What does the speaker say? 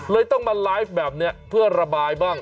ต้องมาไลฟ์แบบนี้เพื่อระบายบ้าง